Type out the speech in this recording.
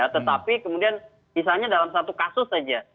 tetapi kemudian misalnya dalam satu kasus saja